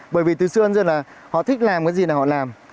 bởi vì từ xưa đến giờ là họ thích làm cái gì là họ làm